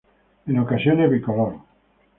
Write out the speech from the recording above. En ocasiones bicolor.